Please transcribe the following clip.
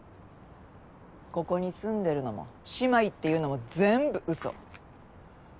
ここに住んでるのも姉妹っていうのも全部うそ。